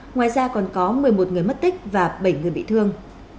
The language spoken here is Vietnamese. ngoài ra còn có một mươi một người mất tích và bảy người bị thương